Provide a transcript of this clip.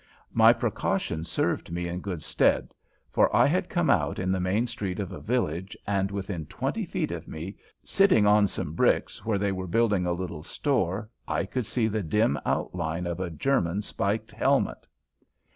My precaution served me in good stead, for I had come out in the main street of a village and within twenty feet of me, sitting on some bricks where they were building a little store, I could see the dim outline of a German spiked helmet!